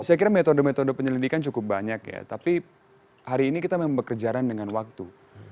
saya kira metode metode penyelidikan cukup banyak ya tapi hari ini kita memang bekerja dengan waktu